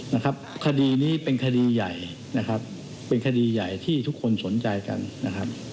นะครับคดีนี้เป็นคดีใหญ่นะครับเป็นคดีใหญ่ที่ทุกคนสนใจกันนะครับ